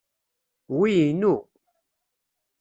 Wi inu.